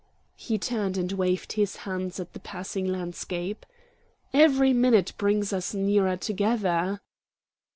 He turned and waved his hands at the passing landscape. "Every minute brings us nearer together."